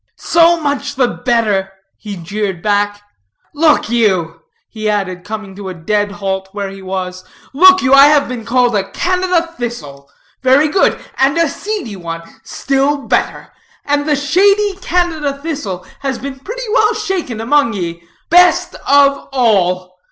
"So much the better," he jeered back. "Look you," he added, coming to a dead halt where he was; "look you, I have been called a Canada thistle. Very good. And a seedy one: still better. And the seedy Canada thistle has been pretty well shaken among ye: best of all.